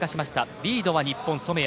リードは日本、染谷。